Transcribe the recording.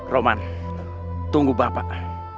roman tunggu bapak